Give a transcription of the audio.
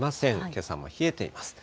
けさも冷えています。